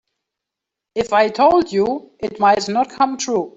If I told you it might not come true.